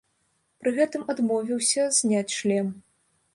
Пры гэтым адмовіўся зняць шлем.